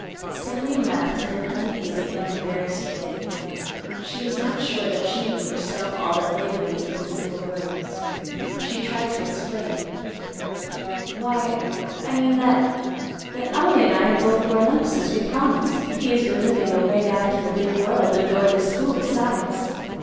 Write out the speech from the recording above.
Sammy laughed in an uneasy and embarrassed way. She was not sure that she knew herself all that lay beneath the simple words. She tried to explain. "Why, I mean that—that Ollie and I have both grown up since we promised, and he has been living away out in the big world and going to school besides.